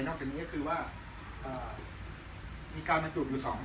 นอกจากนี้ก็คือว่ามีกาจูมอยู่สอง